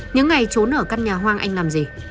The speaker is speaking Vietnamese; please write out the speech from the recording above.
những ngày trốn ở căn nhà hoang anh làm gì